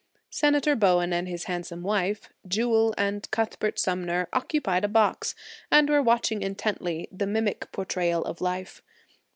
Senator Bowen and his handsome wife; Jewel and Cuthbert Sumner occupied a box, and were watching intently the mimic portrayal of life.